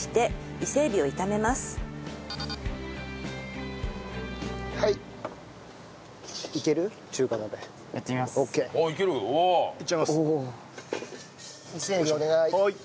伊勢エビお願い。